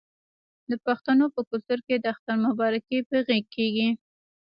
د پښتنو په کلتور کې د اختر مبارکي په غیږ کیږي.